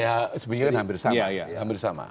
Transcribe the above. ya sebagiannya hampir sama